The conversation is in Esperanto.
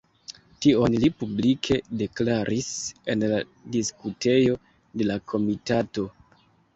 Tion li publike deklaris en la diskutejo de la komitato.